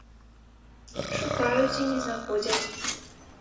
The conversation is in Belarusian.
Шукаюць і не знаходзяць.